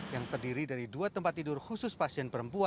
yang terdiri dari dua tempat tidur khusus pasien perempuan